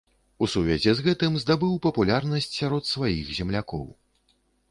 У сувязі з гэтым здабыў папулярнасць сярод сваіх землякоў.